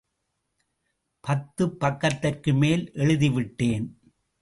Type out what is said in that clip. பத்து பக்கத்திற்கு மேல் எழுதி விட்டேன்.